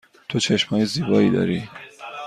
تو چشم های زیبایی داری.